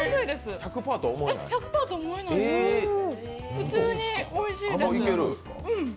１００パーとは思えない普通においしいです。